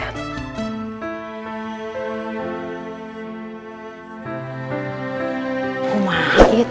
aku tidak ingat ya t